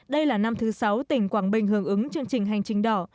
đây là năm thứ sáu tỉnh quảng bình hưởng ứng chương trình hành trình đỏ